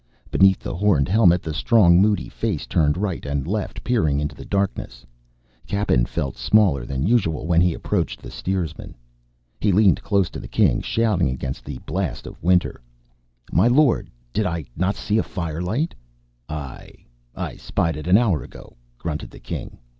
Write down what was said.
Beneath the horned helmet, the strong moody face turned right and left, peering into the darkness. Cappen felt smaller than usual when he approached the steersman. He leaned close to the king, shouting against the blast of winter: "My lord, did I not see firelight?" "Aye. I spied it an hour ago," grunted the king.